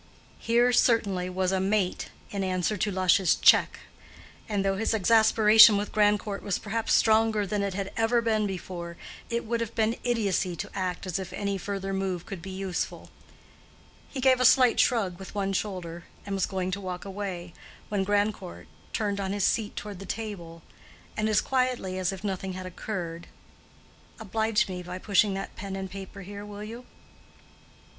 Here certainly was a "mate" in answer to Lush's "check"; and though his exasperation with Grandcourt was perhaps stronger than it had ever been before, it would have been idiocy to act as if any further move could be useful. He gave a slight shrug with one shoulder, and was going to walk away, when Grandcourt, turning on his seat toward the table, said, as quietly as if nothing had occurred, "Oblige me by pushing that pen and paper here, will you?"